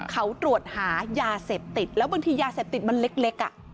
เขาตรวจหายาเสพติดแล้วบางทียาเสพติดมันเล็ก